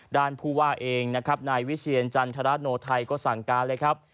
ผู้ว่าเองนะครับนายวิเชียรจันทรโนไทยก็สั่งการเลยครับ